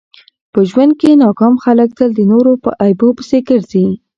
په ژوند کښي ناکام خلک تل د نور په عیبو پيسي ګرځي.